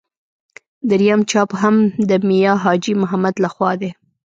درېیم چاپ هم د میا حاجي محمد له خوا دی.